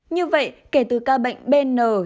như vậy kể từ ca bệnh bnn